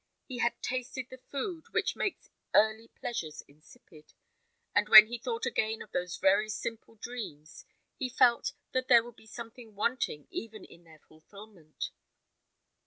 He had tasted the food which makes early pleasures insipid; and when he thought again of those very simple dreams, he felt that there would be something wanting even in their fulfilment.